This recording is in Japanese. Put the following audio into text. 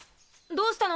どうしたの？